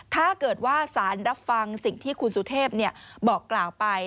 ถ้าเกิดว่าสารรับฟังสิ่งที่คุณสุเทพบอกกล่าวไป